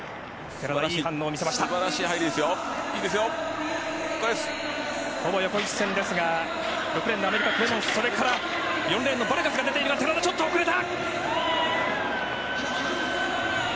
これですほぼ横一線ですが６レーンのアメリカクレモンスそれから４レーンのバルガスが出ているが寺田ちょっと遅れた！